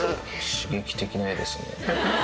刺激的な絵ですね。